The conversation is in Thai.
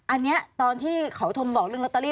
อันนี้ตอนที่เขาโทรบอกเรื่องลอตเตอรี่